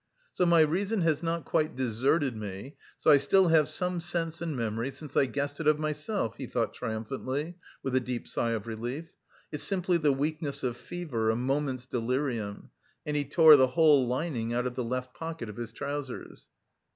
"So my reason has not quite deserted me, so I still have some sense and memory, since I guessed it of myself," he thought triumphantly, with a deep sigh of relief; "it's simply the weakness of fever, a moment's delirium," and he tore the whole lining out of the left pocket of his trousers.